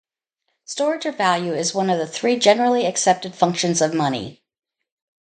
Storage of value is one of the three generally accepted functions of money.